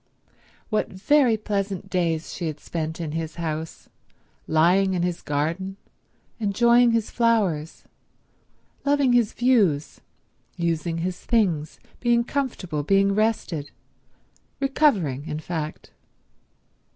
What very pleasant days she had spent in his house, lying in his garden, enjoying his flowers, loving his views, using his things, being comfortable, being rested—recovering, in fact.